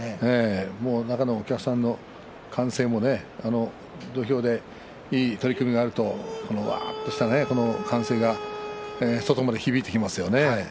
中のお客さんの歓声も土俵でいい取組があるとわあっと歓声が外まで響いてきますよね。